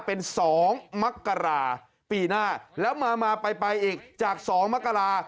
เป็น๒มกราปีหน้าแล้วมาไปอีกจาก๒มกรา